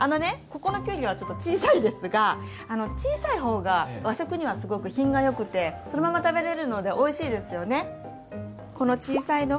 ここのきゅうりはちょっと小さいですが小さい方が和食にはすごく品が良くてそのまま食べれるのでおいしいですよね。